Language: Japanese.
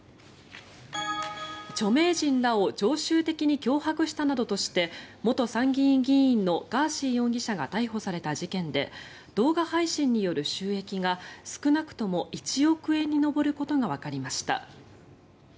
著名人らを常習的に脅迫したなどとして元参議院議員のガーシー容疑者が逮捕された事件で動画配信による収益が少なくとも１億円に上ることがわかりました。